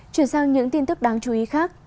chuyển sang những tin tức đáng chú ý khác